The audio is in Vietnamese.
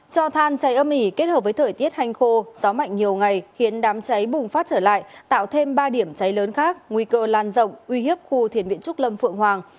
cho than cháy âm ỉ kết hợp với thời tiết hành khô gió mạnh nhiều ngày khiến đám cháy bùng phát trở lại tạo thêm ba điểm cháy lớn khác nguy cơ lan rộng uy hiếp khu thiền viện trúc lâm phượng hoàng